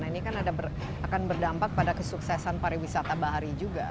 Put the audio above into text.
nah ini kan akan berdampak pada kesuksesan pariwisata bahari juga